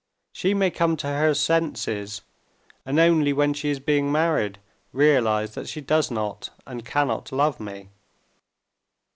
"She may come to her senses, and only when she is being married realize that she does not and cannot love me."